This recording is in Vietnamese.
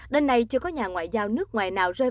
đến nay chưa có nhà ngoại giao nước ngoài nào rơi